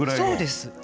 そうです。